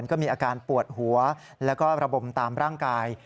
ก็มีอาการปวดหัวแล้วก็ระบมตามร่างกาย